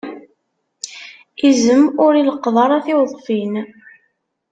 Izem ur ileqqeḍ ara tiweḍfin.